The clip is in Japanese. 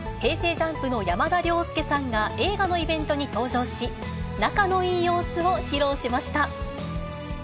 ＪＵＭＰの山田涼介さんが映画のイベントに登場し、仲のいい様子を披露しました。